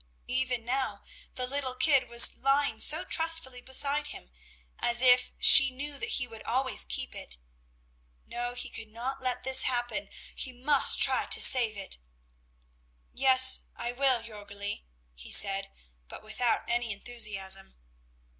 Even now the little kid was lying so trustfully beside him, as if, she knew that he would always keep it; no, he could not let this happen, he must try to save it. "Yes, I will, Jörgli," he said, but without any enthusiasm.